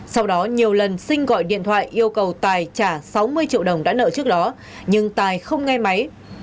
sau đó nhiều lần sinh gọi điện thoại yêu cầu tài trả sáu mươi triệu đồng đã nợ trước đó nhưng tài không nghe máy